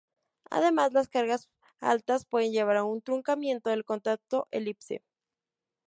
Además, las cargas altas pueden llevar a un truncamiento del contacto elipse.